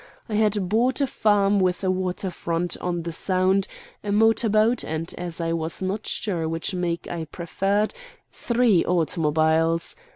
I had bought a farm with a waterfront on the Sound, a motor boat, and, as I was not sure which make I preferred, three automobiles.